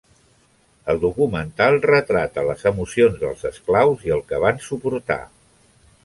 El documental retrata les emocions dels esclaus i el que van suportar.